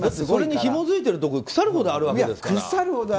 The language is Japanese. それにひもづいてるところ腐るほどあるわけですから。